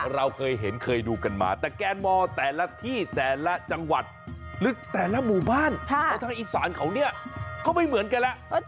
เราเคยเห็นเคยดูกันมาแต่แกนมอแต่ละที่แต่ละจังหวัดลึกแต่ละหมู่บ้านในทางอีสานเขาเนี่ยเขาไม่เหมือนกันแล้ว